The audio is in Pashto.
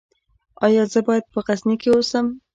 ایا زه باید په غزني کې اوسم؟